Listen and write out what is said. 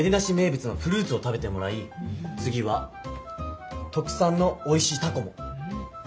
市名物のフルーツを食べてもらい次はとくさんのおいしいタコも。